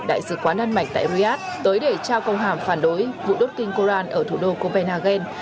đại sứ quán đan mạch tại riyadh tới để trao công hàm phản đối vụ đốt kinh koran ở thủ đô copenhagen